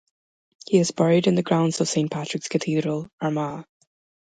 He is buried in the grounds of Saint Patrick's Cathedral, Armagh.